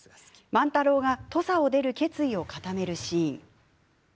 万太郎が土佐を出る決意を固めるシーン。